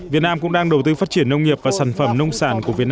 việt nam cũng đang đầu tư phát triển nông nghiệp và sản phẩm nông sản của việt nam